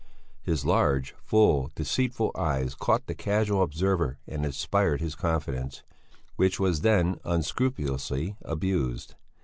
His large, full, deceitful eyes caught the casual observer and inspired his confidence, which was then unscrupulously abused.